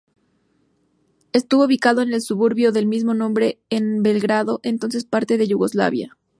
Estuvo ubicado en el suburbio del mismo nombre en Belgrado, entonces parte de Yugoslavia.